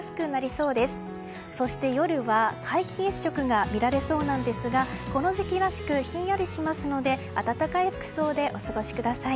そして、夜は皆既月食が見られそうなんですがこの時期らしくひんやりしますので暖かい服装でお過ごしください。